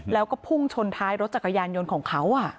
แล้วก็พุ่งชนท้ายรถจักรยานยนต์ของเขา